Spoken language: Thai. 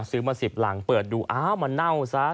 ซื้อมา๑๐หลังเปิดดูอ้าวมาเน่าซะ